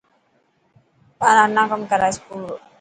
ٻاران نا ڪم ڪرا اسڪول رو.